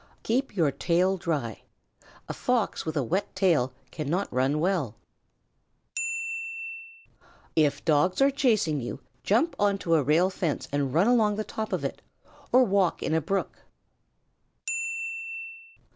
"Keep your tail dry. A Fox with a wet tail cannot run well. "If Dogs are chasing you, jump on to a rail fence and run along the top of it or walk in a brook.